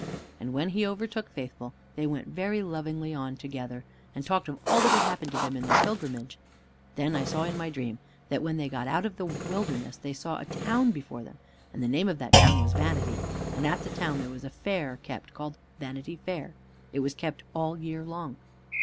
And when he overtook Faithful they went very lovingly on together, and talked of all that had happened to them in their pilgrimage. Then I saw in my dream that when they got out of the wilderness they saw a town before them, and the name of that town was Vanity, and at the town there was a fair kept, called Vanity Fair. It was kept all the year long.